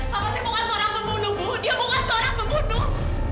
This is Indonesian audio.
bapak saya bukan seorang pembunuhmu dia bukan seorang pembunuh